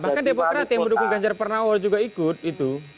bahkan depokrat yang mendukung ganjar pernahol juga ikut itu